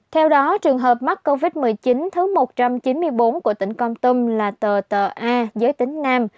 theo đó trường hợp mắc covid một mươi chín thứ một trăm chín mươi bốn của tỉnh công tùng là tờ tờ a giới tính nam